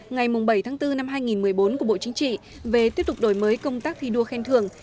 ngày bảy tháng bốn năm hai nghìn một mươi bốn của bộ chính trị về tiếp tục đổi mới công tác thi đua khen thường